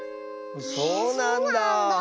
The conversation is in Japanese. そうなんだあ。